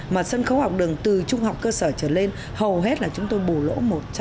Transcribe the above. mà sân khấu học đường từ trung học cơ sở trở lên hầu hết là chúng tôi bù lỗ một trăm linh